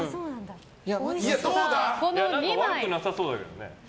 悪くなさそうだね。